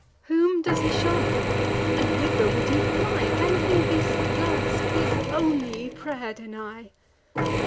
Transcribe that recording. Whom does he shun, and whither would he fly! Can he this last, this only pray'r deny!